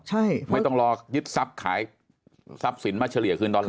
ใช่ไม่ต้องรอยึดทรัพย์ขายทรัพย์สินมาเฉลี่ยคืนตอนหลัง